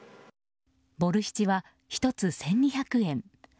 ボルシチは１つ１２００円。